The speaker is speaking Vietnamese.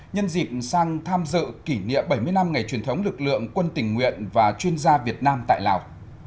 nhân dịp sang tham dự kỷ niệm bảy mươi năm ngày truyền thống lực lượng quân tình nguyện và chuyên gia việt nam tại lào